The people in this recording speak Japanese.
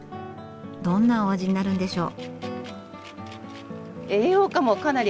どんなお味になるんでしょう。